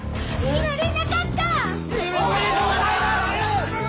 おめでとうございます！